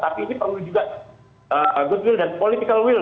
tapi ini perlu juga good will dan political will